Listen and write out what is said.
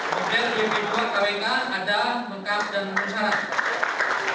model b dua kwk ada lengkap dan penuhi sarang